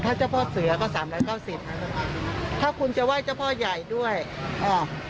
ถ้าเจ้าพ่อเสือก็สามร้อยเก้าสิบถ้าคุณจะไหว้เจ้าพ่อใหญ่ด้วยอ่า